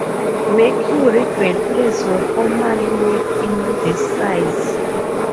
Mercury batteries were formerly made in this size.